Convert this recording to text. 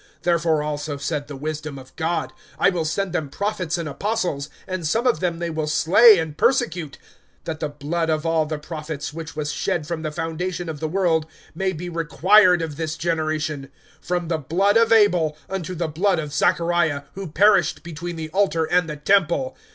(49)Therefore also said the wisdom of God: I will send them prophets and apostles, and some of them they will slay and persecute; (50)that the blood of all the prophets, which was shed from the foundation of the world, may be required of this generation, (51)from the blood of Abel unto the blood of Zachariah, who perished between the altar and the temple.